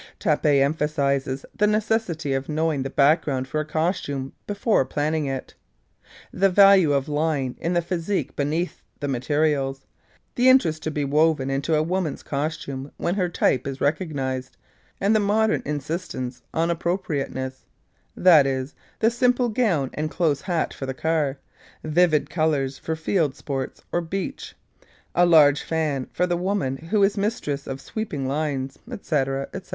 Tappé emphasises the necessity of knowing the background for a costume before planning it; the value of line in the physique beneath the materials; the interest to be woven into a woman's costume when her type is recognised, and the modern insistence on appropriateness that is, the simple gown and close hat for the car, vivid colours for field sports or beach; a large fan for the woman who is mistress of sweeping lines, etc., etc.